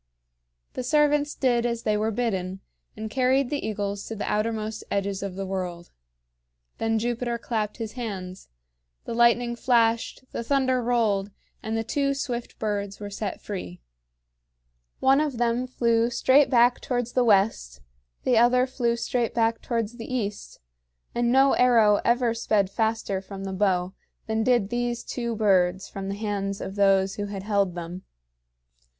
The servants did as they were bidden, and carried the eagles to the outermost edges of the world. Then Jupiter clapped his hands. The lightning flashed, the thunder rolled, and the two swift birds were set free. One of them flew straight back towards the west, the other flew straight back towards the east; and no arrow ever sped faster from the bow than did these two birds from the hands of those who had held them.